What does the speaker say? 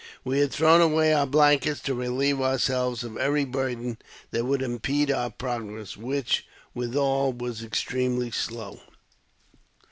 We had thrown away our blankets to relieve ourselves of every burden that would impede our progress, which, withal, was extremely slow.